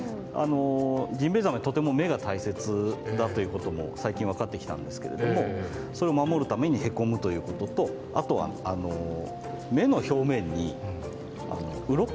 ジンベエザメとても目が大切だということも最近分かってきたんですけれどもそれを守るためにへこむということとあとは目の表面にうろこが目にうろこ。